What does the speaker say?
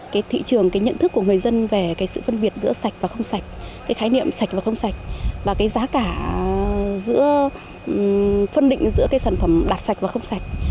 cái thị trường cái nhận thức của người dân về cái sự phân biệt giữa sạch và không sạch cái khái niệm sạch và không sạch và cái giá cả giữa phân định giữa cái sản phẩm đạt sạch và không sạch